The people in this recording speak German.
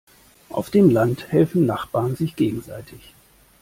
Auf dem Land helfen Nachbarn sich gegenseitig.